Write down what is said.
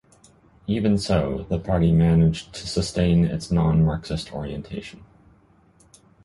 Even so, the party managed to sustain its non-Marxist orientation.